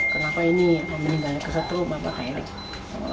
kenapa ini mengambil nyayangnya ke satu bapak kakak ini